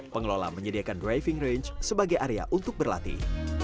pengelola menyediakan driving range sebagai area untuk berlatih